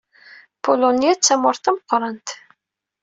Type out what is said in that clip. Pulunya d tamurt tameqrant.